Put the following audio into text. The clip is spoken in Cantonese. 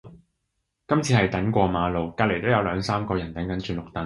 今次係等過馬路，隔離都有兩三個人等緊轉綠燈